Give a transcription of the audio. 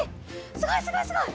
すごいすごいすごい。